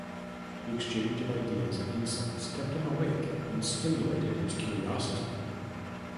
The exchange of ideas and insights kept him awake and stimulated his curiosity.